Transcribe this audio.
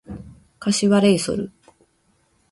柏レイソル